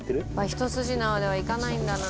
ひと筋縄では行かないんだな。